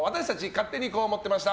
勝手にこう思ってました！